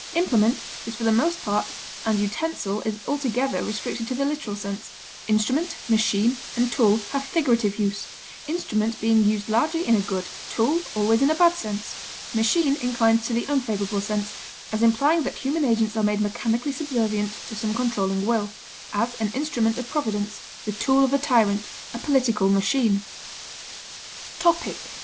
Implement is for the most part and utensil is altogether restricted to the literal sense; instrument, machine, and tool have figurative use, instrument being used largely in a good, tool always in a bad sense; machine inclines to the unfavorable sense, as implying that human agents are made mechanically subservient to some controlling will; as, an instrument of Providence; the tool of a tyrant; a political machine. TOPIC.